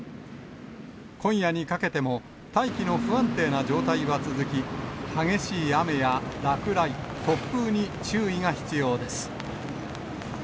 今夜にかけても、大気の不安定な状態は続き、激しい雨や落雷、突風に注意が必要です。